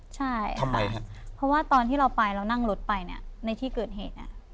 ใช่ทำไมครับเพราะว่าตอนที่เราไปเรานั่งรถไปเนี่ยในที่เกิดเหตุเนี่ย